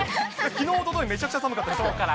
きのう、おととい、めちゃくちゃ寒かったですから。